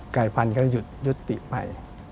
ไก่พันธุ์ก็ยุดติไป